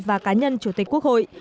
và cá nhân chủ tịch quốc hội